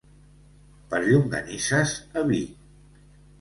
Per llonganisses, a Vic.